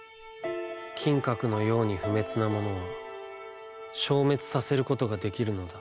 「金閣のように不滅なものは消滅させることができるのだ」。